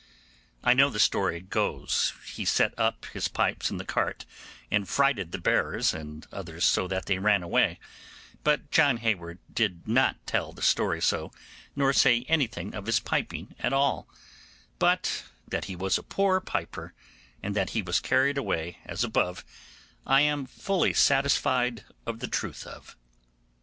I know the story goes he set up his pipes in the cart and frighted the bearers and others so that they ran away; but John Hayward did not tell the story so, nor say anything of his piping at all; but that he was a poor piper, and that he was carried away as above I am fully satisfied of the truth of.